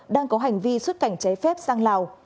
đang có hành vi xuất cảnh cháy phép sang lào